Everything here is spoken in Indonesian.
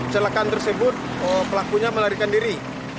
celakaan tersebut pelakunya melarikan diri